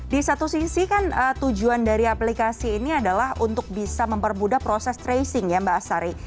di satu sisi kan tujuan dari aplikasi ini adalah untuk bisa mempermudah proses tracing ya mbak asari